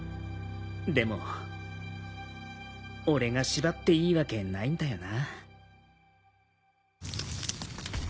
でも俺が縛っていいわけないんだよな。